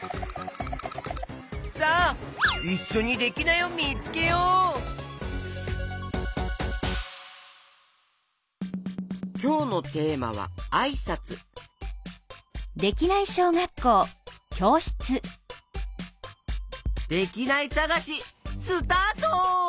さあいっしょにきょうのテーマは「あいさつ」できないさがしスタート！